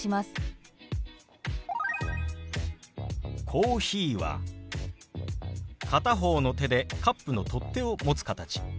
「コーヒー」は片方の手でカップの取っ手を持つ形。